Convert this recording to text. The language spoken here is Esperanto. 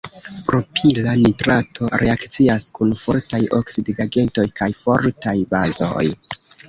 Propila nitrato reakcias kun fortaj oksidigagentoj kaj fortaj bazoj.